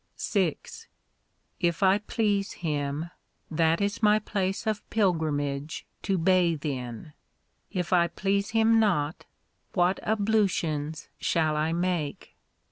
VI If I please Him, that is my place of pilgrimage to bathe in ; if I please Him not, what ablutions shall I make